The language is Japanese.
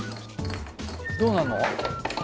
どうなるの？